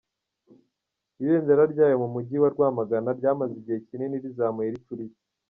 Ibendera ryayo mu Mujyi wa Rwamagana ryamaze igihe kinini rizamuye ricuritse.